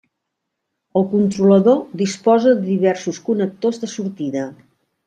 El controlador disposa de diversos connectors de sortida.